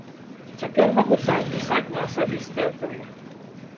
Цяпер магу сам пісаць на асабістыя тэмы.